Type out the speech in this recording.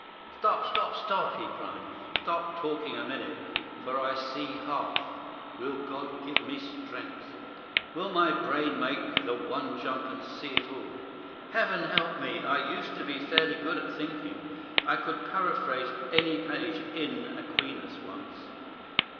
"Stop, stop, stop!" he cried; "stop talking a minute, for I see half. Will God give me strength? Will my brain make the one jump and see all? Heaven help me! I used to be fairly good at thinking. I could paraphrase any page in Aquinas once.